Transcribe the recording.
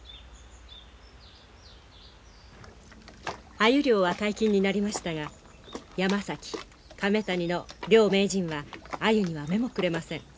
アユ漁は解禁になりましたが山崎亀谷の両名人はアユには目もくれません。